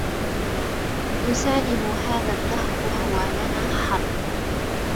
نسالم هذا الدهر وهو لنا حرب